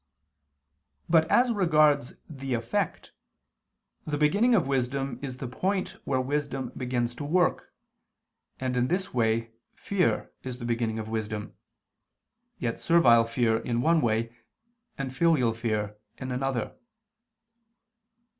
But as regards the effect, the beginning of wisdom is the point where wisdom begins to work, and in this way fear is the beginning of wisdom, yet servile fear in one way, and filial fear, in another.